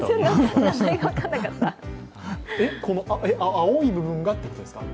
青い部分がってことですか？